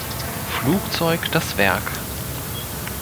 Flugzeug das Werk.